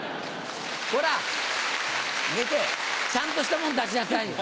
こら！ちゃんとしたもん出しなさいよ。